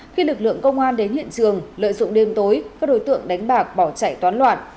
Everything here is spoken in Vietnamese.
khi lực lượng công an đến hiện trường lợi dụng đêm tối các đối tượng đánh bạc bỏ chạy toán loạn